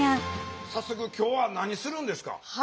早速今日は何するんですか？